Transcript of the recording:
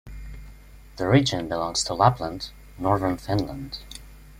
The region belongs to Lapland, northern Finland.